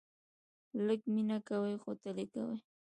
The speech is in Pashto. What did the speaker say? لږ مینه کوئ ، خو تل یې کوئ